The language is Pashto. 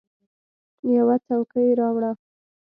یوه څوکۍ راوړه !